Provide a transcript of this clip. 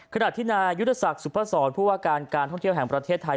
ขณะที่นายุทธศักดิ์สุพศรผู้ว่าการการท่องเที่ยวแห่งประเทศไทย